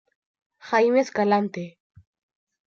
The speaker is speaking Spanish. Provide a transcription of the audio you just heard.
Jaime Escalante